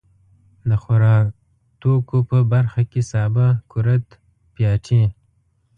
د خوراکتوکو په برخه کې سابه، کورت، پياټي.